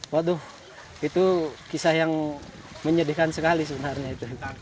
waduh itu kisah yang menyedihkan sekali sebenarnya itu